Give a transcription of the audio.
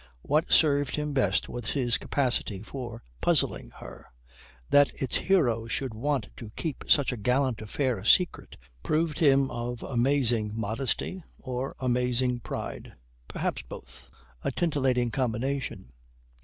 What served him best was his capacity for puzzling her. That its hero should want to keep such a gallant affair secret proved him of amazing modesty or amazing pride perhaps both a titillating combination.